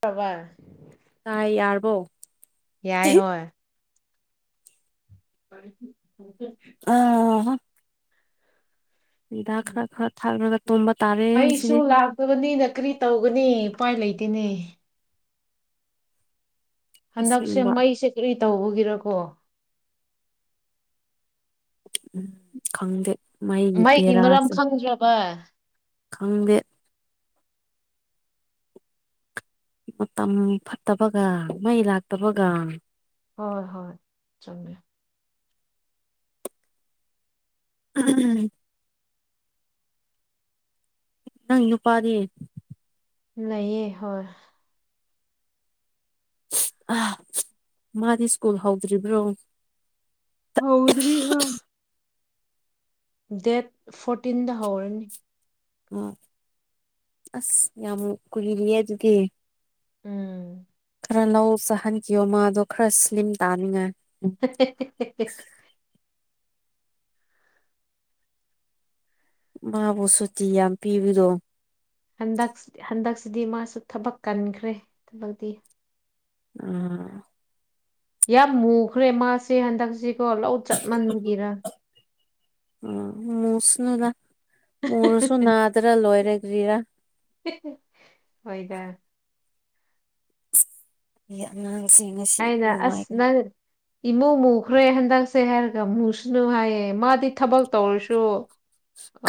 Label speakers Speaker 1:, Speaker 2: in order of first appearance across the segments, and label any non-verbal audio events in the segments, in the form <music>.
Speaker 1: ꯇꯕ
Speaker 2: ꯇꯥꯏ ꯌꯥꯔꯕꯣ
Speaker 1: ꯏꯏ ꯍ ꯎ
Speaker 2: ꯑꯥ ꯗꯈꯂ ꯈ ꯊꯥꯒ ꯇꯣꯡꯝꯕ ꯇꯥꯔꯦ
Speaker 1: ꯑꯩꯁꯨ
Speaker 2: ꯉꯁꯤꯗꯤ
Speaker 1: ꯂꯥꯛꯇꯕꯅꯤꯅ ꯀꯔꯤ ꯇꯧꯒꯅꯤ ꯎꯄꯥꯏ ꯂꯩꯇꯦꯅꯦ ꯍꯟꯗꯛꯁꯦ
Speaker 2: ꯑꯁꯦꯡꯕ
Speaker 1: ꯃꯩꯁꯦ ꯀꯔꯤ ꯇꯧꯕꯒꯤꯔꯀꯣ
Speaker 2: ꯎꯝ ꯈꯪꯗꯦ ꯃꯩꯒꯤ ꯄꯦꯔꯥꯁꯦ
Speaker 1: ꯕ
Speaker 2: ꯈꯪꯗꯦ ꯃꯇꯝ ꯐꯠꯇꯕꯒ ꯃꯩ ꯂꯥꯛꯇꯕꯒ
Speaker 1: ꯍꯣꯏ ꯍꯣꯏ ꯆꯨꯝꯃꯦ
Speaker 2: ꯎꯝ ꯅꯪ ꯅꯨꯄꯥꯗꯤ
Speaker 1: ꯅꯌꯦ ꯍꯣꯏ
Speaker 2: ꯑ ꯃꯥꯗꯤ ꯁ꯭ꯀꯨꯜ ꯍꯧꯗ꯭ꯔꯤꯕ꯭ꯔꯣ
Speaker 1: ꯍꯥꯎꯗ꯭ꯔꯤ ꯍꯥ ꯗꯦꯠ ꯐꯣꯔꯇꯤꯟꯗ ꯍꯧꯔꯅꯤ
Speaker 2: ꯑꯣ ꯑꯁ ꯌꯥꯝ ꯀꯨꯏꯔꯤꯌꯦ ꯑꯗꯨꯗꯤ
Speaker 1: ꯎꯝ
Speaker 2: ꯈꯔ ꯂꯧ ꯆꯥꯍꯟꯈꯤꯌꯣ ꯃꯥꯗꯣ ꯈꯔ ꯁ꯭ꯂꯤꯝ ꯇꯥꯅꯤꯡꯉꯥꯏ
Speaker 1: ꯍꯦ ꯍ‌ꯦ
Speaker 2: ꯃꯥꯕꯨ ꯁꯨꯆꯤ ꯌꯥꯝ ꯄꯤꯕꯤꯗꯣ
Speaker 1: ꯍꯟꯗꯛ ꯍꯟꯗꯛꯁꯤꯗꯤ ꯃꯥꯁꯨ ꯊꯕꯛ ꯀꯟꯈ꯭ꯔꯦ ꯊꯕꯛꯇꯤ
Speaker 2: ꯎꯝ
Speaker 1: ꯌꯥꯝ ꯃꯨꯈ꯭ꯔꯦ ꯃꯥꯁꯦ ꯍꯟꯗꯛꯁꯤꯀꯣ ꯂꯧ ꯆꯠꯃꯟꯕꯒꯤꯔ
Speaker 2: ꯑ ꯃꯁꯅꯨꯗ ꯃꯨꯔꯁꯨ ꯅꯗ ꯈꯔ ꯂꯣꯏꯔꯦꯒ꯭ꯔꯤꯒꯤꯔꯥ
Speaker 1: ꯍꯣꯏꯗ
Speaker 2: ꯑꯉꯥꯡꯁꯤ ꯉꯁꯤ
Speaker 1: ꯑꯩꯅ ꯑꯁ
Speaker 2: ꯅꯨꯡꯉꯥꯏꯒꯅꯤ
Speaker 1: ꯅꯪ ꯏꯃꯨ ꯃꯨꯈ꯭ꯔꯦ ꯍꯟꯗꯛꯁꯦ ꯍꯥꯏꯔꯒ ꯃꯨꯁꯅꯨ ꯍꯥꯏꯌꯦ ꯃꯥꯗꯤ ꯊꯕꯛ ꯇꯧꯔꯁꯨ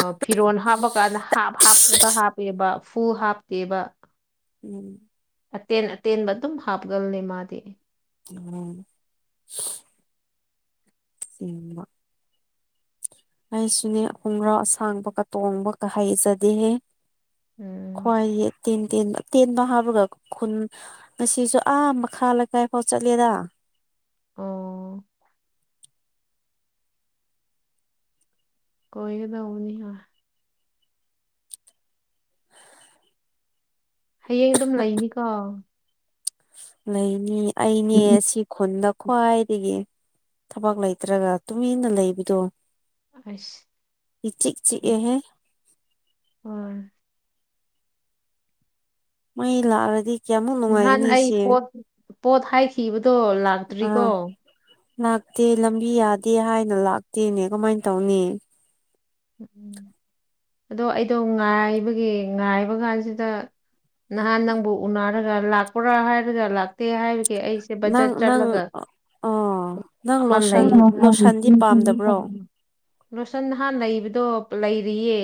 Speaker 1: ꯑ ꯐꯤꯔꯣꯜ ꯍꯥꯞꯄꯀꯥꯟꯗ ꯍꯥꯞ ꯍꯥꯞꯄꯗ ꯍꯥꯞꯄꯦꯕ ꯐꯨꯜ ꯍꯥꯞꯇꯦꯕ
Speaker 2: ꯎꯝ
Speaker 1: ꯑꯇꯦꯟ ꯑꯇꯦꯟꯕ ꯑꯗꯨꯝ ꯍꯥꯞꯒꯅꯤ ꯃꯥꯗꯤ
Speaker 2: ꯎꯝ <unintelligible> ꯁꯦꯡꯕ ꯑꯩꯁꯨꯅꯦ ꯍꯣꯡꯒ꯭ꯔꯥꯎ ꯑꯁꯥꯡꯕꯒ ꯇꯣꯡꯕꯒ ꯍꯩꯖꯗꯦꯍꯦ
Speaker 1: ꯎꯝ <unintelligible>
Speaker 2: ꯈ꯭ꯋꯥꯏꯗꯒꯤ ꯇꯦꯟ ꯇꯦꯟꯕꯇꯦꯟꯕ ꯍꯥꯞꯕꯒ ꯈꯨꯟ ꯑꯁꯤꯁꯤꯁꯨ ꯑꯥ ꯃꯈꯥ ꯂꯩꯀꯥꯏꯐꯥꯎ ꯆꯠꯂꯦꯗ
Speaker 1: ꯑꯣ ꯀꯣꯏꯗꯎꯅꯤ ꯍꯥ ꯍꯌꯦꯡ ꯑꯗꯨꯝ ꯂꯩꯅꯤꯀꯣ
Speaker 2: ꯂꯩꯅꯤ ꯑꯩꯅꯦ ꯁꯤ ꯈꯨꯟꯗ ꯈ꯭ꯋꯥꯏꯗꯒꯤ ꯊꯕꯛ ꯂꯩꯇ꯭ꯔꯒ ꯇꯨꯃꯤꯟꯅ ꯂꯩꯕꯗꯣ
Speaker 1: ꯑꯁ
Speaker 2: ꯍꯆꯤ ꯆꯤꯑꯦꯍ‌ꯦ
Speaker 1: ꯑꯣ <unintelligible>
Speaker 2: ꯃꯣꯏ ꯂꯥꯑꯂꯗꯤ
Speaker 1: ꯅꯍꯥꯟ ꯑꯩ ꯄꯣꯠ ꯄꯣꯠ ꯍꯥꯏꯈꯤꯕꯗꯣ ꯂꯥꯛꯇ꯭ꯔꯤꯀꯣ
Speaker 2: ꯑꯥ ꯂꯥꯛꯇꯦ ꯂꯝꯕꯤ ꯌꯥꯗꯦ ꯍꯥꯏꯅ ꯂꯥꯛꯇꯦꯅꯦ ꯀꯃꯥꯏ ꯇꯧꯅꯤ
Speaker 1: ꯎꯝ ꯑꯗꯣ ꯑꯩꯗꯣ ꯉꯥꯏꯕꯒꯤ ꯉꯥꯏꯕ ꯀꯥꯟꯁꯤꯗ ꯅꯍꯥꯟ ꯅꯪꯕꯨ ꯎꯅꯔꯒ ꯂꯥꯛꯄ꯭ꯔꯥ ꯍꯥꯏꯔꯒ ꯗꯦ ꯍꯥꯏꯔꯒꯦ ꯑꯩꯁꯦ ꯕꯖꯔꯠ
Speaker 2: ꯅꯪ ꯅꯪ
Speaker 1: ꯆꯠꯂꯒ
Speaker 2: ꯑꯣ ꯅꯪ
Speaker 1: ꯑꯃ ꯂꯩ
Speaker 2: ꯂꯣꯁꯟ ꯂꯣꯁꯟꯗꯤ ꯄꯥꯝꯗꯕ꯭ꯔꯣ
Speaker 1: ꯂꯣꯁꯟ ꯅꯍꯥꯟ ꯂꯩꯕꯗꯣ ꯂꯩꯔꯤꯌꯦ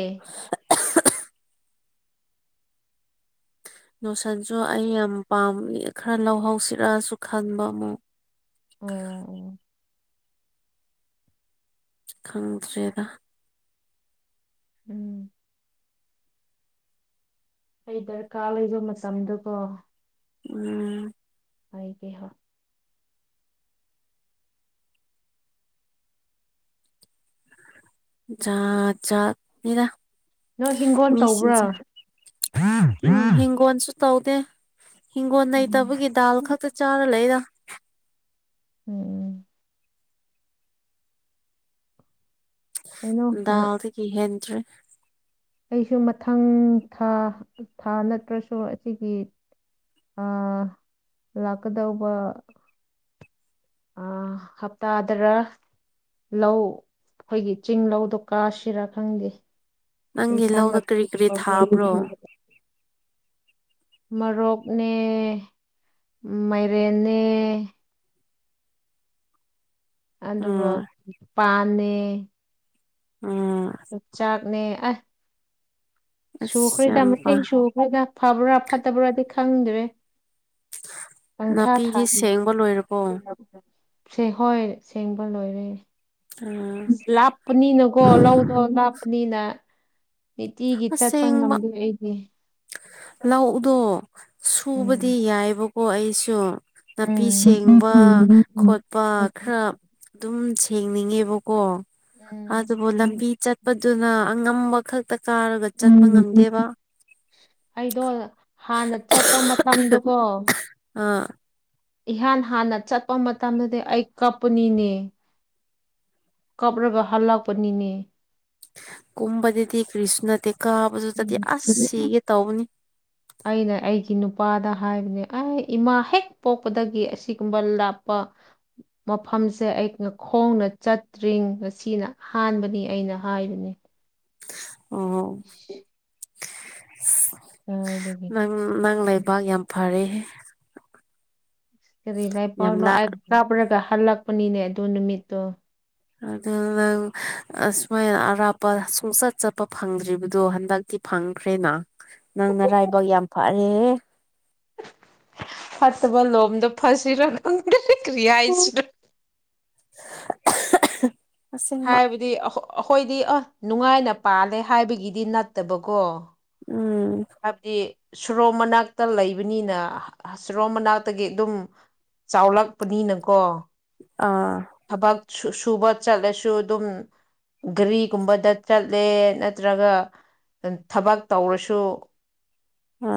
Speaker 2: ꯅꯣꯁꯟꯁꯨ ꯑꯩ ꯌꯥꯝ ꯄꯥꯝꯃꯤ ꯈꯔ ꯂꯧꯍꯧꯁꯤꯔꯛꯑꯁꯨ ꯈꯟꯕ ꯑꯃꯨꯛ
Speaker 1: ꯑꯣ ꯑꯣ
Speaker 2: ꯈꯪꯗ꯭ꯔꯦꯗ
Speaker 1: ꯎꯝ ꯑꯩ ꯗꯔꯀꯥꯔ ꯂꯩꯕ ꯃꯇꯝꯗꯀꯣ
Speaker 2: ꯎꯝ
Speaker 1: ꯑꯩꯒꯤ ꯍ
Speaker 2: ꯖꯥ ꯖꯥꯠ ꯅꯤꯗ
Speaker 1: ꯅꯣꯏ ꯍꯤꯡꯒꯣꯜ
Speaker 2: ꯃꯤ
Speaker 1: ꯇꯧꯕ꯭ꯔꯥ
Speaker 2: ꯁꯤꯡꯁꯦ ꯎꯝ ꯍꯤꯡꯒꯣꯟꯁꯨ ꯇꯧꯗꯦ ꯍꯤꯡꯒꯣꯜ
Speaker 1: ꯎꯝ
Speaker 2: ꯅꯩꯇꯕꯒꯤ ꯗꯥꯜ ꯈꯛꯇ ꯆꯥꯔ ꯂꯩꯗꯥ
Speaker 1: ꯎꯝ ꯀꯩꯅꯣ
Speaker 2: ꯗꯥꯜꯗꯒꯤ ꯍꯦꯟꯇ꯭ꯔꯦ
Speaker 1: ꯑꯩꯁꯨ ꯃꯊꯪ ꯊꯥ ꯊꯥ ꯅꯠꯇ꯭ꯔꯁꯨ ꯑꯁꯤꯒꯤ ꯑ ꯂꯥꯛꯀꯗꯧꯕ ꯑ ꯍꯞꯇꯥꯗꯔ ꯂꯧ ꯑꯩꯈꯣꯏꯒꯤ ꯆꯤꯡ ꯂꯧꯗꯣ ꯀꯥꯁꯤꯔꯥ ꯈꯪꯗꯦ
Speaker 2: ꯅꯪꯒꯤ ꯂꯧꯗ ꯀꯔꯤ ꯀꯔꯤ ꯊꯥꯕ꯭ꯔꯣ
Speaker 1: <inaudible> ꯃꯔꯣꯛꯅꯦ ꯃꯥꯏꯔꯦꯅꯦ ꯑꯗꯨꯒ
Speaker 2: ꯎꯝ
Speaker 1: ꯄꯥꯟꯅꯦ
Speaker 2: ꯎꯝ
Speaker 1: ꯆꯥꯛꯅꯦ ꯑ
Speaker 2: ꯑꯁ
Speaker 1: ꯁꯨꯈ꯭ꯔꯦꯗ
Speaker 2: ꯌꯥꯝ ꯄꯥ
Speaker 1: ꯃꯁꯤꯡ ꯁꯨꯈ꯭ꯔꯗ ꯐꯕ꯭ꯔꯥ ꯐꯠꯇꯕ꯭ꯔꯥꯗꯤ ꯈꯪꯗ꯭ꯔꯦ ꯄꯪꯊꯥ ꯊꯥ
Speaker 2: ꯅꯥꯄꯤꯗꯤ ꯁꯦꯡꯕ ꯂꯣꯏꯔꯕꯣ
Speaker 1: ꯁꯦ ꯍꯣꯏ ꯁꯦꯡꯕ ꯂꯣꯏꯔꯦ
Speaker 2: ꯎꯝ
Speaker 1: ꯄꯅꯤꯅꯀꯣ ꯂꯧꯗꯣ ꯂꯥꯞꯄꯅꯤꯅ ꯅꯨꯡꯇꯤꯒꯤ ꯆꯠꯄ
Speaker 2: ꯑꯁꯦꯡꯕ
Speaker 1: ꯉꯝꯗꯦ ꯑꯩꯗꯤ
Speaker 2: ꯂꯧꯗꯣ ꯁꯨꯕꯗꯤ
Speaker 1: ꯎꯝ
Speaker 2: ꯌꯥꯏꯕꯀꯣ ꯑꯩꯁꯨ ꯅꯥꯄꯤ
Speaker 1: ꯎꯝ
Speaker 2: ꯁꯦꯡꯕ
Speaker 1: ꯎꯝ
Speaker 2: ꯈꯣꯠꯄ ꯈꯔ ꯑꯗꯨꯝ ꯁꯦꯡꯅꯤꯡꯉꯦꯕꯀꯣ
Speaker 1: ꯎꯝ
Speaker 2: ꯑꯗꯨꯕꯨ ꯂꯝꯕꯤ ꯆꯠꯄꯗꯨꯅ ꯑꯉꯝꯕ ꯈꯛꯇ ꯀꯥꯔꯒ ꯆꯠꯄ ꯉꯝꯗꯦꯕ
Speaker 1: ꯑꯩꯗꯣ ꯍꯥꯟꯅ ꯆꯠꯄ ꯃꯇꯝꯗꯨꯀꯣ
Speaker 2: ꯑꯥ
Speaker 1: ꯏꯍꯥꯟ ꯍꯥꯟꯅ ꯆꯠꯄ ꯃꯇꯝꯗꯗꯤ ꯑꯩ ꯀꯞꯄꯅꯤꯅꯦ ꯀꯥꯞꯔꯕ ꯍꯜꯂꯛꯄꯅꯤꯅꯦ
Speaker 2: ꯀꯨꯨꯝꯕꯗꯦꯗꯤ ꯀ꯭ꯔꯤꯅ ꯇꯀꯥ
Speaker 1: ꯎꯝ ꯑꯩꯅ ꯑꯩꯒꯤ ꯅꯨꯄꯥꯗ ꯍꯥꯏꯕꯅꯦ ꯑꯩ ꯏꯃꯥ ꯍꯦꯛ ꯄꯣꯛꯄꯗꯒꯤ ꯑꯁꯤꯒꯨꯝꯕ ꯂꯥꯞꯄ ꯃꯐꯝꯁꯦ ꯑꯩ ꯈꯣꯡꯅ ꯆꯠꯇ꯭ꯔꯤ ꯉꯁꯤꯅ ꯑꯍꯥꯟꯕꯅꯤ ꯑꯩꯅ ꯍꯥꯏꯕꯅꯦ
Speaker 2: ꯑꯣ
Speaker 1: ꯎ <inaudible> ꯀꯥꯏꯂꯩꯒ‌ꯦ
Speaker 2: ꯎꯝ ꯅꯪ ꯂꯩꯕꯥꯛ ꯌꯥꯝ ꯐꯔꯦ
Speaker 1: ꯀꯔꯤ ꯂ
Speaker 2: ꯌꯥꯝ
Speaker 1: ꯄꯥꯎꯅꯣ
Speaker 2: ꯂꯥꯛ
Speaker 1: ꯀꯥꯞꯔꯒ ꯍꯜꯂꯛꯄꯅꯤꯅꯦ ꯑꯗꯨ ꯅꯨꯃꯤꯠꯇꯣ
Speaker 2: ꯑꯗꯨ ꯅꯪ ꯑꯁꯨꯃꯥꯏꯅ ꯑꯔꯥꯞꯄ ꯁꯨꯡꯆꯠ ꯆꯠꯄ ꯐꯪꯗ꯭ꯔꯤꯕꯗꯣ ꯍꯟꯗꯛꯇꯤ ꯐꯪꯈ꯭ꯔꯦꯅ ꯅꯪ ꯅꯔꯥꯏꯕꯛ ꯌꯥꯝ ꯐꯔꯦꯍ‌ꯦ
Speaker 1: ꯐꯠꯇꯕ ꯂꯣꯝꯗꯣ ꯐꯁꯤꯔꯣ ꯅꯪ ꯀ ꯀ꯭ꯔꯤ ꯍꯥꯏꯁꯤꯔꯣ
Speaker 2: <unintelligible> ꯑꯁꯦꯡꯕ
Speaker 1: ꯍꯥꯏꯕꯗꯤ ꯑꯩꯈꯣꯏꯗꯤ ꯑ ꯅꯨꯡꯉꯥꯏꯅ ꯄꯥꯜꯂꯦ ꯍꯥꯏꯕꯒꯤꯗꯤ ꯅꯠꯇꯕꯀꯣ
Speaker 2: ꯎꯝ
Speaker 1: ꯍꯥꯏꯕꯗꯤ ꯁꯨꯔꯣ ꯃꯅꯥꯛꯇ ꯂꯩꯕꯅꯤꯅ ꯁꯨꯔꯣ ꯃꯅꯥꯛꯇꯒꯤ ꯑꯗꯨꯝ ꯆꯥꯎꯂꯛꯄꯅꯤꯅꯀꯣ
Speaker 2: ꯑꯥ
Speaker 1: ꯊꯕꯛ ꯁꯨꯕ ꯆꯠꯂꯁꯨ ꯑꯗꯨꯝ ꯒꯥꯔꯤꯒꯨꯝꯕꯗ ꯆꯠꯂꯦ ꯅꯠꯇ꯭ꯔꯒ ꯊꯕꯛ ꯇꯧꯔꯁꯨ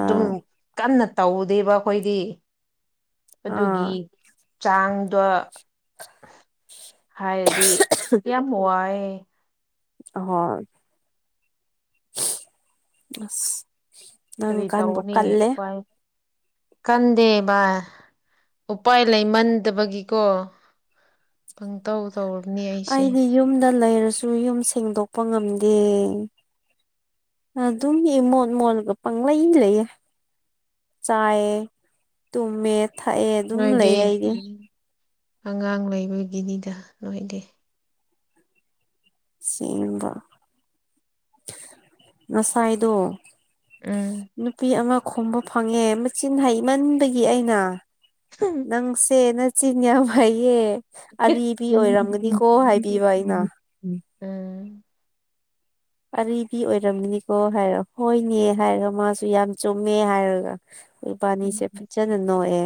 Speaker 1: ꯑꯗꯨꯝ ꯀꯟꯅ ꯇꯧꯗꯦꯕ ꯑꯩꯈꯣꯏꯒꯤ ꯑꯗꯨꯒꯤ
Speaker 2: ꯑꯥ
Speaker 1: ꯆꯥꯡꯗꯣ ꯍꯥꯏꯔꯗꯤ ꯌꯥꯝ ꯋꯥꯏ
Speaker 2: ꯍꯣꯏ <unintelligible> ꯑꯁ ꯅꯪ
Speaker 1: ꯀꯔꯤ
Speaker 2: ꯀꯟꯕꯨ
Speaker 1: ꯇꯧꯅꯤ
Speaker 2: ꯀꯜꯂꯦ
Speaker 1: ꯚꯥꯏ ꯀꯟꯗꯦ ꯚꯥꯏ ꯎꯄꯥꯏ ꯂꯩꯃꯟꯗꯕꯒꯤꯀꯣ ꯄꯪꯇꯧ ꯇꯧꯔꯕꯅꯤ ꯑꯩꯁꯦ
Speaker 2: ꯑꯩꯗꯤ ꯌꯨꯝꯗ ꯂꯩꯔꯁꯨ ꯌꯨꯝ ꯁꯦꯡꯗꯣꯛꯄ ꯉꯝꯗꯦ ꯑꯗꯨꯝ ꯏ ꯃꯣꯠ ꯃꯣꯠꯒ ꯄꯪꯪꯂꯩ ꯂꯩꯌꯦ ꯆꯥꯏꯑ ꯇꯨꯝꯃꯦ ꯊꯛꯑꯦ ꯑꯗꯨꯝ
Speaker 1: ꯅꯣꯏꯗꯤ
Speaker 2: ꯂꯩ ꯑꯩꯗꯤ
Speaker 1: ꯑꯉꯥꯡ ꯂꯩꯕꯒꯤꯅꯤꯗ ꯅꯣꯏꯗꯤꯦ
Speaker 2: ꯁꯤꯕ ꯉꯁꯥꯏꯥꯏꯗꯣ
Speaker 1: ꯎꯝ
Speaker 2: ꯅꯨꯄꯤ ꯑꯃ ꯈꯣꯝꯕ ꯐꯪꯉꯦ ꯃꯆꯤꯟ ꯍꯩꯃꯟꯕꯒꯤ ꯑꯩꯅ
Speaker 1: ꯍ
Speaker 2: ꯅꯪꯁꯦ ꯅꯆꯤꯟ ꯌꯥꯝ ꯐꯩꯌꯦ ꯑꯤ ꯑꯣꯏꯔꯝꯒꯅꯤꯀꯣ ꯍꯥꯏꯕꯤꯕ ꯑꯩꯅ
Speaker 1: ꯎꯝ
Speaker 2: ꯑꯤ ꯑꯣꯏꯔꯝꯃꯤꯅꯤꯀꯣ ꯍꯥꯏꯔ ꯍꯣꯏꯅꯦ ꯍꯥꯏꯔꯒ ꯃꯥꯁꯨ ꯌꯥꯝ ꯆꯨꯝꯃꯦ ꯍꯥꯏꯔꯒ ꯑꯩꯣꯏꯕꯥꯅꯤꯁꯦ ꯐꯖꯅ ꯅꯌꯦ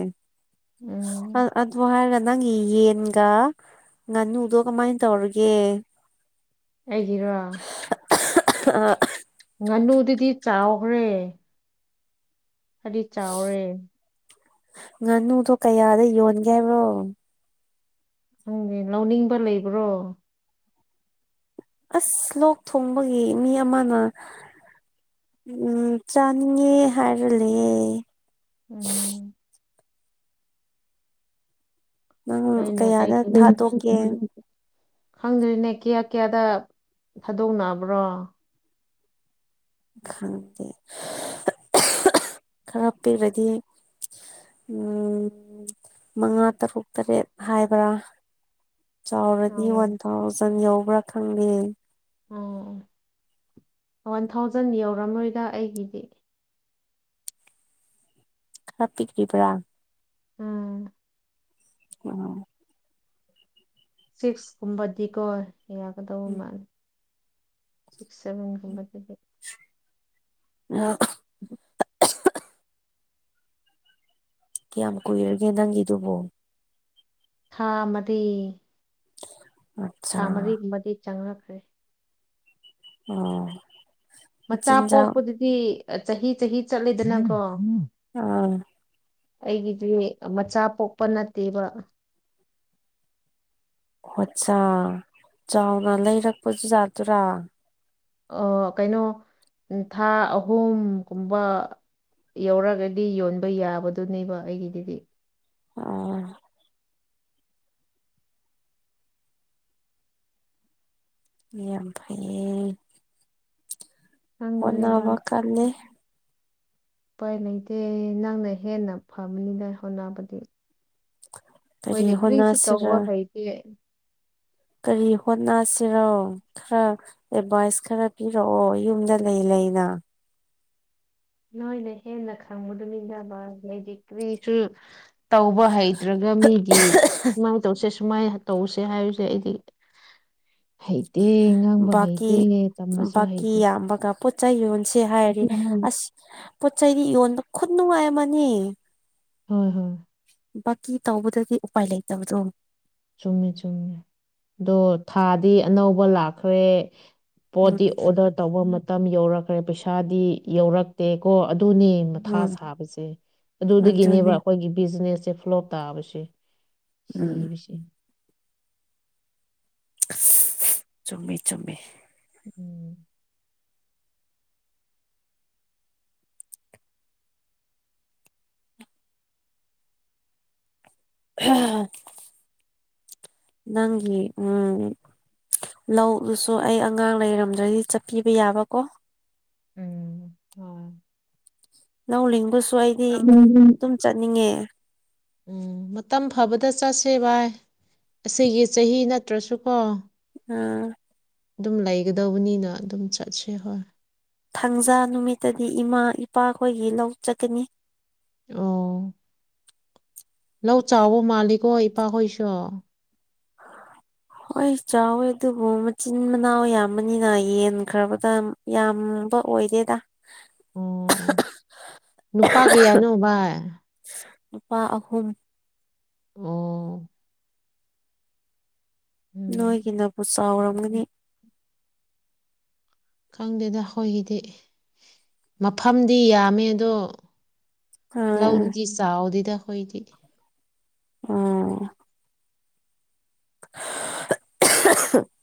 Speaker 1: ꯎꯝ
Speaker 2: ꯑꯗꯨ ꯍꯥꯏꯔꯒ ꯅꯪꯒꯤ ꯌꯦꯟꯒ ꯉꯥꯅꯨꯗꯣ ꯀꯃꯥꯏꯅ ꯇꯧꯔꯒꯦ
Speaker 1: ꯑꯩꯒꯤꯔꯣ
Speaker 2: <unintelligible> ꯑ
Speaker 1: ꯉꯥꯅꯨꯗꯨꯗꯤ ꯆꯥꯎꯈ꯭ꯔꯦ ꯍꯥꯏꯗꯤ ꯆꯥꯎꯔꯦ
Speaker 2: ꯉꯥꯅꯨꯗꯣ ꯀꯌꯥꯗ ꯌꯣꯟꯒꯦ ꯍꯥꯏꯕꯣ
Speaker 1: ꯅꯪꯗꯦ ꯂꯧꯅꯤꯡꯕ ꯂꯩꯕ꯭ꯔꯣ
Speaker 2: ꯑꯁ ꯂꯣꯛ ꯊꯣꯡꯕꯒꯤ ꯃꯤ ꯑꯃꯅ ꯎꯝ ꯆꯅꯤꯡꯉꯦ ꯍꯥꯏꯔ ꯂꯩ
Speaker 1: ꯎꯝ
Speaker 2: ꯅꯪ
Speaker 1: ꯑꯅ
Speaker 2: ꯀꯌꯥꯗ ꯊꯥꯗꯣꯛꯀꯦ
Speaker 1: ꯈꯪꯗ꯭ꯔꯤꯅꯦ ꯀꯌꯥ ꯀꯌꯥꯗ ꯊꯥꯗꯣꯛꯅꯕ꯭ꯔꯣ
Speaker 2: ꯈꯪꯗꯦ ꯈꯔ ꯄꯤꯔꯗꯤ ꯎꯝ ꯃꯉꯥ ꯇꯔꯨꯛ ꯇꯔꯦꯠ ꯍꯥꯏꯕ꯭ꯔꯥ ꯆꯥꯎꯔꯗꯤ ꯋꯥꯟ
Speaker 1: ꯑꯣ
Speaker 2: ꯊꯥꯎꯖꯟ ꯌꯎꯧꯕ꯭ꯔꯥ ꯈꯪꯗꯦ
Speaker 1: ꯑꯣ ꯋꯥꯟ ꯊꯥꯎꯖꯟ ꯌꯧꯔꯝꯃꯣꯏꯗ ꯑꯩꯒꯤꯗꯤ
Speaker 2: ꯍꯥꯄꯤꯤ ꯀ꯭ꯔꯤꯕ꯭ꯔꯥ
Speaker 1: ꯎꯝ
Speaker 2: ꯑꯣ
Speaker 1: ꯁꯤꯛꯁꯀꯨꯝꯕꯗꯤꯀꯣ ꯌꯥꯒꯗꯧꯕ ꯃꯥꯜꯂ ꯁꯤꯛꯁ ꯁꯚꯦꯟꯒꯨꯝꯕ
Speaker 2: ꯎ
Speaker 1: <unintelligible>
Speaker 2: ꯀꯌꯥꯝ ꯀꯨꯏꯔꯒꯦ ꯅꯪꯒꯤꯗꯨꯕꯨꯣ
Speaker 1: ꯊꯥꯃꯗꯤ
Speaker 2: ꯑꯠꯆꯥ
Speaker 1: ꯊꯥ ꯃꯔꯤꯒꯨꯝꯕꯗꯤ ꯆꯪꯅꯈ꯭ꯔꯦ
Speaker 2: ꯑꯣ
Speaker 1: ꯃꯆꯥ
Speaker 2: ꯃꯆꯤꯟꯖꯥꯛ
Speaker 1: ꯄꯣꯛꯄꯗꯨꯗꯤ ꯆꯍꯤ ꯆꯍꯤ ꯆꯠꯂꯦꯗꯅꯀꯣ
Speaker 2: ꯑꯣ
Speaker 1: ꯑꯩꯒꯤꯗꯤ ꯃꯆꯥ ꯄꯣꯛꯄ ꯅꯠꯇꯦꯕ
Speaker 2: ꯑꯠꯆꯥ ꯆꯥꯎꯅ ꯂꯩꯔꯛꯄꯁꯨ ꯌꯥꯥꯠꯇꯔꯥ
Speaker 1: ꯑ ꯀꯩꯅꯣ ꯊꯥ ꯑꯍꯨꯝꯒꯨꯝꯕ ꯌꯧꯔꯒꯗꯤ ꯌꯣꯟꯕ ꯌꯥꯕꯗꯨꯅꯦꯕ ꯑꯩꯒꯤꯗꯨꯗꯤ
Speaker 2: ꯑ ꯌꯥꯝ ꯐꯩ
Speaker 1: ꯊꯪꯦ ꯁ
Speaker 2: ꯀꯜꯂꯦ
Speaker 1: ꯎꯄꯥꯏ ꯂꯩꯇꯦ ꯅꯪꯅ ꯍꯦꯟꯅ ꯐꯕꯅꯤꯅ ꯍꯣꯠꯅꯕꯗꯤ
Speaker 2: ꯀꯔꯤ
Speaker 1: ꯍꯣꯏꯗꯤ ꯀꯔꯤꯁꯤ
Speaker 2: ꯍꯣꯠꯅꯁꯤꯔ
Speaker 1: ꯇꯧꯕ ꯍꯩꯒꯦ
Speaker 2: ꯀꯔꯤ ꯍꯣꯠꯅꯁꯤꯔꯣ ꯈꯔ ꯑꯦꯗꯚꯥꯏꯁ ꯈꯔ ꯄꯤꯔꯛꯑꯣ ꯌꯨꯝꯗ ꯂꯩ ꯂꯩꯅ
Speaker 1: ꯅꯣꯏꯅ ꯍꯦꯟꯅ ꯈꯪꯕꯗꯨꯃꯤꯟꯅꯕ ꯂꯩꯗꯤꯛꯇꯔꯤꯁꯨ ꯇꯧꯕ ꯍꯩꯇ꯭ꯔꯒ ꯃꯤꯒꯤ ꯁꯨꯃꯥꯏꯅ ꯇꯧꯁꯦ ꯁꯨꯃꯥꯏꯅ ꯇꯧꯁꯦ ꯍꯥꯏꯕꯁꯦ ꯑꯩꯗꯤ ꯍꯩꯇꯦ ꯉꯥꯡꯕ ꯍꯩꯇꯦ ꯇꯝꯕꯁꯨ ꯍꯩꯇꯦ
Speaker 2: ꯇꯝꯕ ꯀꯥꯄ ꯄꯣꯠꯆꯩ ꯌꯣꯟꯁꯦ ꯍꯥꯏꯔꯦ ꯑꯁ ꯄꯣꯠ ꯆꯩꯩꯗꯤ ꯌꯣꯟꯕ ꯈꯨꯠ ꯅꯨꯡꯉꯥꯏ ꯑꯃꯅꯤ
Speaker 1: ꯍꯣꯏ ꯍꯣꯏ
Speaker 2: ꯕꯀꯤ ꯇꯧꯕꯗꯗꯤ ꯎꯄꯥꯏ ꯂꯩꯇꯕꯗꯣ
Speaker 1: ꯆꯨꯝꯃꯤ ꯆꯨꯝꯃꯤ ꯑꯗꯣ ꯊꯥꯗꯤ ꯑꯅꯧꯕ ꯂꯥꯛꯈ꯭ꯔꯦ
Speaker 2: ꯎꯝ
Speaker 1: ꯄꯣꯠꯇꯤ ꯑꯣꯗꯔ ꯇꯧꯕ ꯃꯇꯝ ꯌꯧꯔꯛꯈ꯭ꯔꯦ ꯄꯩꯁꯥꯗꯤ ꯌꯧꯔꯛꯇꯦ ꯀꯣ ꯑꯗꯨꯅꯤ ꯃꯊꯥ
Speaker 2: ꯎꯝ
Speaker 1: ꯁꯥꯕꯁꯦ ꯑꯗꯨꯗꯒꯤꯅꯦꯕ
Speaker 2: ꯑꯗꯨꯅꯦ
Speaker 1: ꯑꯩꯈꯣꯏꯒꯤ ꯕꯤꯖꯤꯅꯦꯁꯁꯦ ꯐꯣꯂꯣꯞ ꯇꯥꯕꯁꯦ ꯁꯤ
Speaker 2: ꯎꯝ ꯆꯨꯝꯃꯦꯃꯤ ꯆꯨꯝꯃꯦ
Speaker 1: ꯎꯝ
Speaker 2: ꯍ ꯅꯪꯤ ꯎꯝ ꯂꯧꯗꯨꯁꯨ ꯑꯩ ꯑꯉꯥꯡ ꯂꯩꯔꯝꯗ꯭ꯔꯗꯤ ꯆꯠꯄꯤꯕ ꯌꯥꯕꯀꯣ
Speaker 1: ꯎꯝ ꯍ
Speaker 2: ꯅ ꯂꯤꯡꯕꯁꯨ ꯑꯩꯗꯤ
Speaker 1: ꯎꯝ
Speaker 2: ꯑꯗꯨꯝ ꯆꯠꯅꯤꯡꯉꯦ
Speaker 1: ꯎꯝ ꯃꯇꯝ ꯐꯕꯗ ꯆꯠꯁꯦ ꯚꯏ ꯑꯁꯤꯒꯤ ꯆꯍꯤ ꯅꯠꯇ꯭ꯔꯁꯨꯀꯣ
Speaker 2: ꯎꯝ
Speaker 1: ꯑꯗꯨꯝ ꯂꯩꯒꯗꯧꯕꯅꯤꯅ ꯑꯗꯨꯝ ꯆꯠꯁꯦ ꯍꯣꯏ
Speaker 2: ꯊꯥꯡꯖꯥ ꯅꯨꯃꯤꯠꯇꯗꯤ ꯏꯃꯥ ꯏꯄꯥꯈꯣꯏꯒꯤ ꯂꯧ ꯆꯠꯀꯅꯤ
Speaker 1: ꯑꯣ ꯂꯧ ꯆꯥꯎꯕ ꯃꯥꯜꯂꯤꯀꯣ ꯏꯄꯥꯍꯣꯏꯁꯨ <unintelligible>
Speaker 2: ꯍꯣꯏ ꯆꯥꯎꯋꯦ ꯑꯗꯨꯕꯨ ꯃꯆꯤꯟ ꯃꯅꯥꯎ ꯌꯥꯝꯕꯅꯤꯅ ꯌꯦꯟꯈ꯭ꯔꯕꯗ ꯌꯥꯝꯕ ꯑꯣꯏꯗꯦꯗ
Speaker 1: ꯑꯣ ꯅꯨꯄꯥ ꯀꯌꯥꯅꯣ ꯚꯥꯏ
Speaker 2: ꯂꯨꯄꯥ ꯑꯍꯨꯝ
Speaker 1: ꯑꯣ ꯎꯝ
Speaker 2: ꯅꯣꯏꯒꯤꯅꯕꯨ ꯆꯥꯎꯔꯝꯒꯅꯤ
Speaker 1: ꯈꯪꯗꯦꯗ ꯍꯣꯏꯒꯤꯗꯤ ꯃꯐꯝꯗꯤ ꯌꯥꯝꯃꯦ ꯑꯗꯣ
Speaker 2: ꯑꯥ
Speaker 1: ꯂꯧꯥꯎꯗꯗꯤ ꯆꯥꯗꯤꯗ ꯍꯣꯏꯗꯤꯗꯤ
Speaker 2: ꯑꯣ <unintelligible>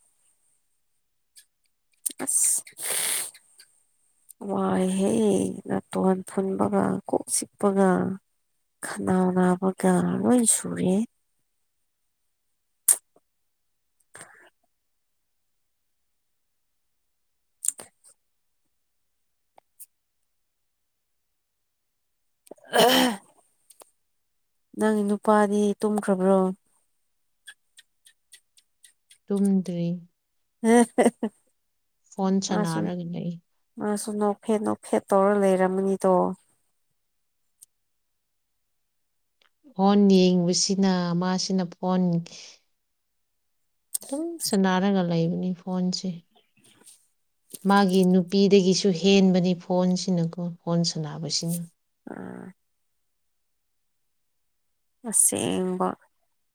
Speaker 2: ꯑꯁ
Speaker 1: <unintelligible>
Speaker 2: ꯋꯥꯏꯍꯦ ꯅꯇꯣꯟꯟꯊꯨꯣꯟꯕꯒ ꯀꯣꯛ ꯆꯤꯛꯄꯒ ꯈꯅꯥꯎ ꯅꯥꯕ ꯂꯣꯏ ꯁꯨꯔꯦ <unintelligible> ꯑꯍ ꯅꯪꯒꯤ ꯅꯨꯄꯥꯗꯤ ꯇꯨꯝꯈ꯭ꯔꯕ꯭ꯔꯣ
Speaker 1: ꯇꯨꯝꯗ꯭ꯔꯤ
Speaker 2: <unintelligible>
Speaker 1: ꯐꯣꯟ
Speaker 2: ꯃꯁꯨꯝ
Speaker 1: ꯁꯥꯟꯅꯔꯒ ꯂꯩ
Speaker 2: ꯃꯥꯁꯨ ꯅꯣꯛꯐꯦꯠ ꯅꯣꯛꯐꯦꯠ ꯇꯧꯔ ꯂꯩꯔꯝꯃꯅꯤꯗꯣ
Speaker 1: ꯐꯣꯟ ꯌꯦꯡꯕꯁꯤꯅ ꯃꯥꯁꯤꯅ ꯐꯣꯟ ꯑꯗꯨꯝ ꯁꯥꯟꯟꯅꯔꯒ ꯂꯩꯕꯅꯤ ꯐꯣꯟꯁꯦ ꯃꯥꯒꯤ ꯅꯨꯄꯤꯗꯒꯤꯁꯨ ꯍꯦꯟꯕꯅꯤ ꯐꯣꯟꯁꯤꯅꯀꯣ ꯐꯣꯟ ꯁꯥꯟꯁꯤꯅ
Speaker 2: ꯑꯥ ꯑꯁꯦꯡꯕ